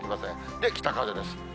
で、北風です。